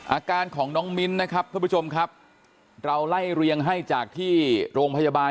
อาการของน้องมิ้นนะครับท่านผู้ชมครับเราไล่เรียงให้จากที่โรงพยาบาล